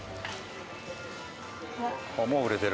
もう売れてる。